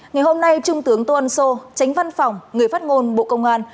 ngày hôm nay trung tướng toan so tránh văn phòng người phát ngôn bộ công an